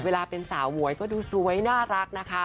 เวลาเป็นสาวหมวยก็ดูสวยน่ารักนะคะ